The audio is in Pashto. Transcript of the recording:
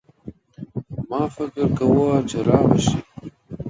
ما فکر کاوه چي رابه شي.